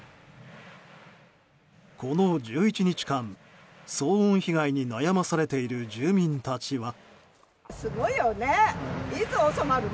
この１１日間騒音被害に悩まされている住民たちは。